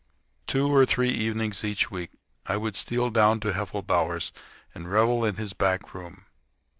Two or three evenings each week I would steal down to Heffelbower's and revel in his back room.